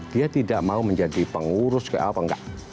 dia tidak mau menjadi pengurus atau tidak